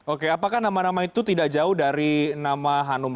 oke apakah nama nama itu tidak jauh dari nama hanum